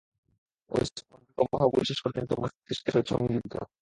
ঐ স্পন্দন-প্রবাহগুলি শেষ পর্যন্ত মস্তিষ্কের সহিত সংযুক্ত।